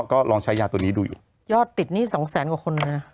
ก็ลองใช้ยาตัวนี้ดูอยู่ยอดติดนี่สองแสนกว่าคนเลยนะ